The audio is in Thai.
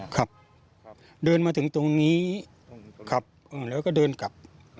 ครับเดินมาถึงตรงนี้ขับแล้วก็เดินกลับ